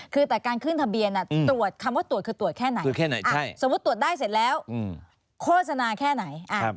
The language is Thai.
คือแต่การขึ้นทะเบียนตรวจคำว่าตรวจคือตรวจแค่ไหนสมมุติตรวจได้เสร็จแล้วโฆษณาแค่ไหน